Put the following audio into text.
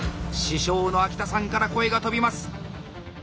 師匠の秋田さんから声が飛びます。